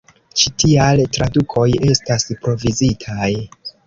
Ĉi tial, tradukoj estas provizitaj.